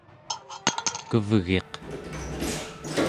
kevgiq